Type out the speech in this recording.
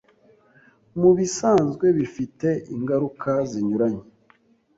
Mubisanzwe bifite ingaruka zinyuranye.